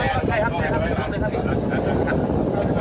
สวัสดีครับสวัสดีครับ